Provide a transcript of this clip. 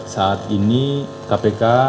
saat ini kpk